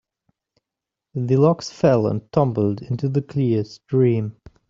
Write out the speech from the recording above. The logs fell and tumbled into the clear stream.